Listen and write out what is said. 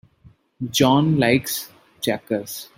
John likes checkers.